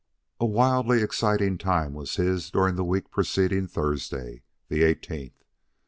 A wildly exciting time was his during the week preceding Thursday the eighteenth.